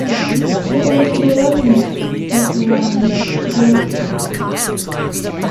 "It was Dorothy," said the Lion, gravely.